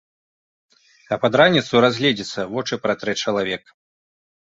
А пад раніцу разгледзіцца, вочы пратрэ чалавек.